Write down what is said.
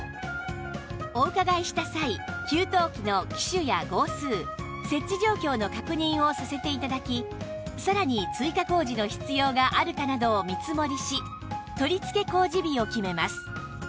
お伺いした際給湯器の機種や号数設置状況の確認をさせて頂きさらに追加工事の必要があるかなどを見積もりし取り付け工事日を決めます